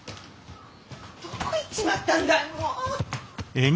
どこ行っちまったんだいもう。